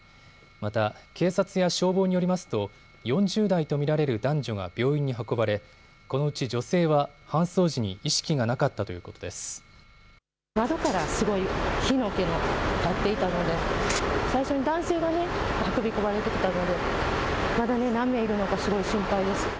また警察や消防によりますと４０代と見られる男女が病院に運ばれこのうち女性は搬送時に意識がなかったということです。